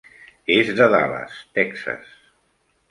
És de Dallas, Texas.